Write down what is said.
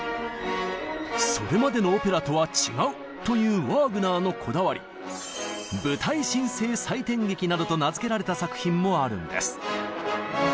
それまでの「オペラ」とは違うというワーグナーのこだわりなどと名付けられた作品もあるんです。